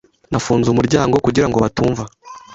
Nafunze umuryango kugirango batumva.